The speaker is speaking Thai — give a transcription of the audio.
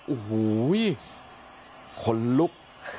อู่หู้ยไห่คนลูก